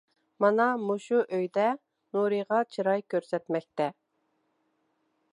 مانا مۇشۇ ئۆيدە نۇرىغا چىراي كۆرسەتمەكتە.